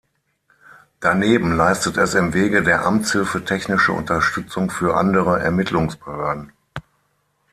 Daneben leistet es im Wege der Amtshilfe technische Unterstützung für andere Ermittlungsbehörden.